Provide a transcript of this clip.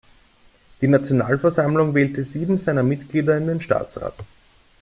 Die Nationalversammlung wählte sieben seiner Mitglieder in den Staatsrat.